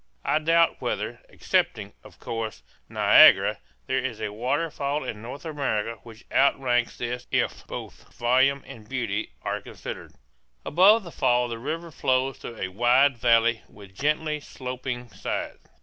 I doubt whether, excepting, of course, Niagara, there is a waterfall in North America which outranks this if both volume and beauty are considered. Above the fall the river flows through a wide valley with gently sloping sides.